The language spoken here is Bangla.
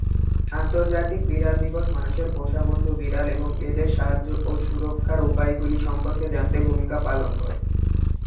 আন্তর্জাতিক বিড়াল দিবস মানুষের পোষা বন্ধু বিড়াল এবং এদের সাহায্য ও সুরক্ষার উপায়গুলি সম্পর্কে জানতে ভূমিকা পালন করে।